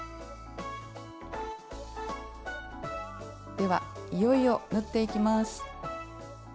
ではいよいよ縫っていきます。